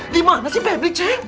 dimana sih pebri ceng